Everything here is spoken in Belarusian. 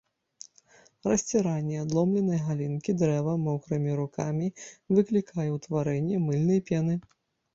Расціранне адломленай галінкі дрэва мокрымі рукамі выклікае ўтварэнне мыльнай пены.